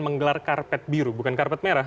menggelar karpet biru bukan karpet merah